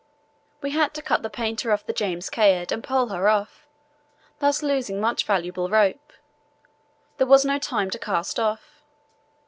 We had to cut the painter of the James Caird and pole her off, thus losing much valuable rope. There was no time to cast off.